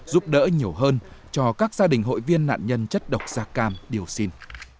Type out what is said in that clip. giúp đỡ nhiều hơn cho các gia đình hội viên nạn nhân chất độc da cam điều xin